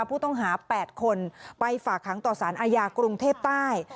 ผู้ต้องหา๘คนไปฝากหางต่อสารอาญากรุงเทพใต้